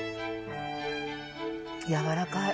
やわらかい。